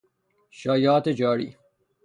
شایعات جاری